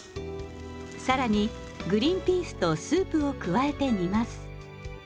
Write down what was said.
更にグリンピースとスープを加えて煮ます。